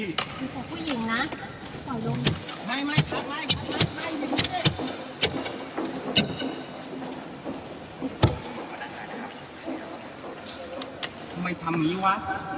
ทำงี้วะ